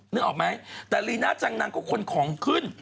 นึกออกไหมแต่ลีน่าจังนางก็คนของขึ้น